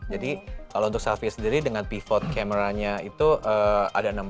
jadi kalau untuk selfie sendiri dengan pivot camera nya itu ada enam belas mp